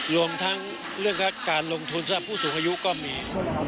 รวมทั้งเรื่องของการลงทุนสำหรับผู้สูงอายุก็มี